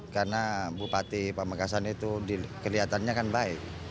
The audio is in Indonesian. karena bupati pemekasan itu kelihatannya kan baik